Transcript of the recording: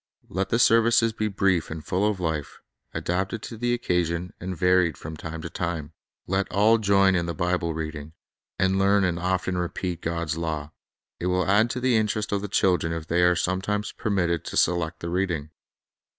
Let the serv ices be brief and full of life, adapted to the occasion, and varied from time to time. Let all join in the Bible Family reading, and learn and often repeat God's law. It will add to the interest of the children if they are some times permitted to select the reading.